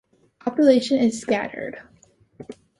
Population is scattered.